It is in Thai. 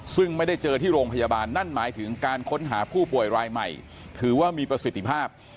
ซึ่งไม่ได้เจอที่โรงพยาบาลนั่นหมายถึงการค้นหาผู้ป่วยรายใหม่ถือว่ามีประสิทธิภาพ